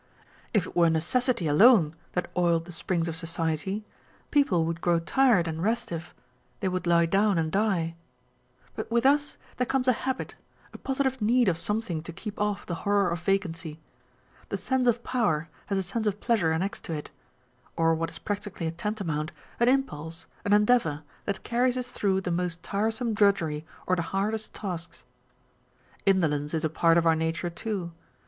If it were necessity alone that oiled the springs of society, people would grow tired and restive â€" they would lie down and die. But with use there comes a habit, a positive need of something to keep off the horror of vacancy. The sense of power has a sense of pleasure annexed to it, or what is practically tantamount, an impulse, an endeavour, that carries us through the most tiresome drudgery or the hardest tasks. Indolence is a part of our nature too.